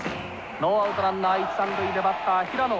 ノーアウトランナー一三塁でバッター平野。